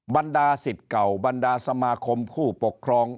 บรรดาสิทธิ์เก่าบรรดาสมาคมผู้ปกครอง